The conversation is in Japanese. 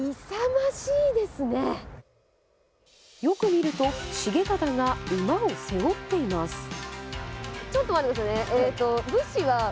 よく見ると重忠が馬を背負っています。